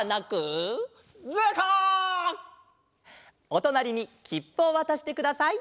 おとなりにきっぷをわたしてください。